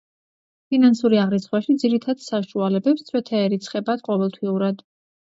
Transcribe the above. ფინანსური აღრიცხვაში ძირითად საშუალებებს ცვეთა ერიცხებათ ყოველთვიურად.